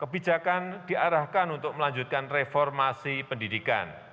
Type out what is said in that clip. kebijakan diarahkan untuk melanjutkan reformasi pendidikan